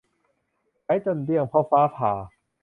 ใช้จนเดี้ยงเพราะฟ้าผ่า